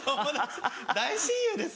大親友です！